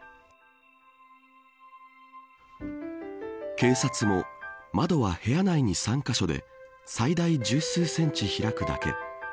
警察も窓は部屋内に３カ所で最大十数センチ開くだけ。